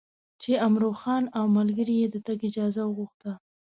چې عمرا خان او ملګرو یې د تګ اجازه وغوښته.